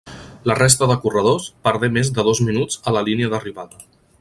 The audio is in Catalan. La resta de corredors perdé més de dos minuts a la línia d'arribada.